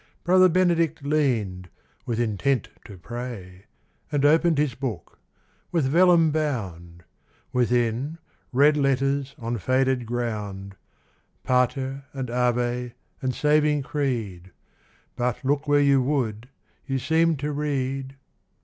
Brother Benedict leaned, with intent to pray. And opened his book : with vellum bound ; Within, red letters on faded ground ; Pater, and Ave, and saving Creed :— But look where you would, you seemed to read, Benedicite.